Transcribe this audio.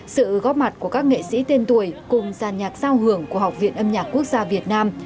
sự góp mặt của các nghệ sĩ tên tuổi cùng giàn nhạc giao hưởng của học viện âm nhạc quốc gia việt nam